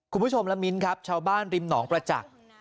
คุณผู้ชมละมิ้นครับชาวบ้านริมหนองประจักษ์